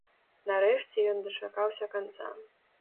Нарэшце ён дачакаўся канца.